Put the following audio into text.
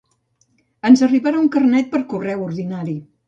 Ens arribarà un carnet per correu ordinari.